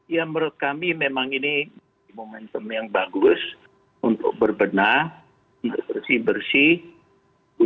ya menurut kami memang ini momentum yang bagus untuk berbenah untuk bersih bersih